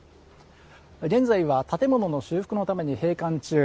現在は建物の修復のために閉館中。